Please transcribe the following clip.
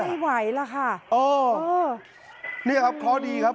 ไม่ไหวล่ะค่ะเออเนี้ยครับพอดีครับ